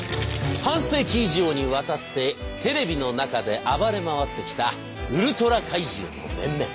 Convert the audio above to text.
半世紀以上にわたってテレビの中で暴れ回ってきたウルトラ怪獣の面々。